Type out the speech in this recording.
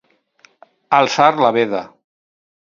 Alçar la veda.